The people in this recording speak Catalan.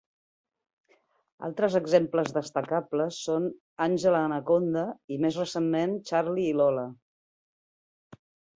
Altres exemples destacables són "Àngela Anaconda" i, més recentment, "Charlie i Lola".